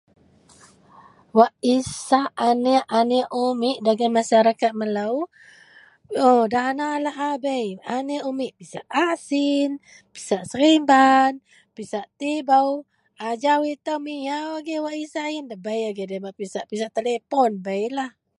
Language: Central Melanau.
Wak isak anek-anek umit dagen masyarakat melo dana lahabei, pisak asin, pisak sariban, pisak tibou, ajau ito miaw agei isak iyen ito, pisak telepon beilah